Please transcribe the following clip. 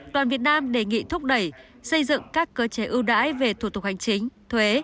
đoàn việt nam đề nghị thúc đẩy xây dựng các cơ chế ưu đãi về thủ tục hành chính thuế